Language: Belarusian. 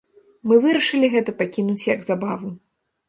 Мы вырашылі гэта пакінуць як забаву.